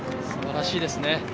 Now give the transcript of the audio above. すばらしいですね。